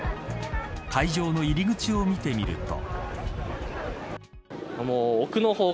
会場の入り口を見てみると。